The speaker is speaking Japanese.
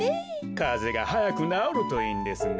かぜがはやくなおるといいんですが。